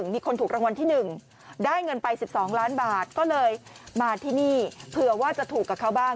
มีคนถูกรางวัลที่๑ได้เงินไป๑๒ล้านบาทก็เลยมาที่นี่เผื่อว่าจะถูกกับเขาบ้าง